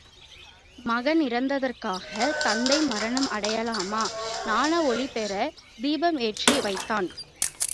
மகன் இறந்தற்காகத் தந்தை மரணம் அடையலாமா? ஞான ஒளி பெறத் தீபம் ஏற்றி வைத்தான்.